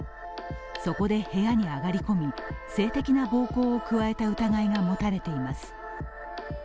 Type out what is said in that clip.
そこで部屋に上がり込み、性的な暴行を加えた疑いが持たれています。